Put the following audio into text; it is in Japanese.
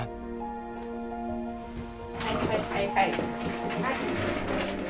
はいはいはいはい。